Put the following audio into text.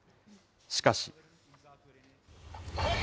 しかし。